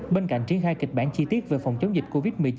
bên cạnh triển khai kịch bản chi tiết về phòng chống dịch covid một mươi chín